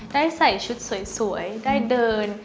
ได้ใส่ชุดสวยได้เดิน